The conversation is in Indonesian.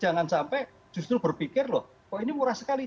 jangan sampai justru berpikir loh kok ini murah sekali